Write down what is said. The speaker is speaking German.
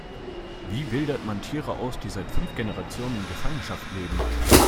Wie wildert man Tiere aus, die seit fünf Generationen in Gefangenschaft leben?